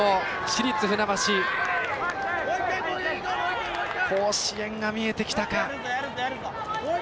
市立船橋、甲子園が見えてきたか。